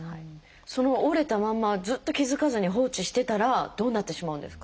その折れたまんまずっと気付かずに放置してたらどうなってしまうんですか？